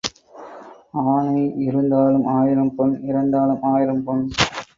ஆனை இருந்தாலும் ஆயிரம் பொன் இறந்தாலும் ஆயிரம் பொன்.